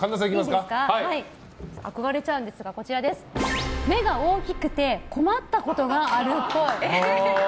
憧れちゃうんですが目が大きくて困った事があるっぽい。